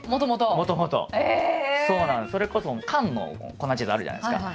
もともと？ええ！それこそ缶の粉チーズあるじゃないですか。